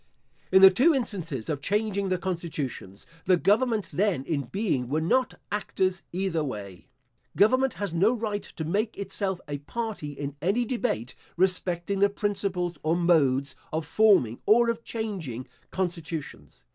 In the two instances of changing the constitutions, the governments then in being were not actors either way. Government has no right to make itself a party in any debate respecting the principles or modes of forming, or of changing, constitutions.